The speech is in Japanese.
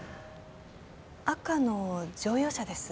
赤の乗用車です。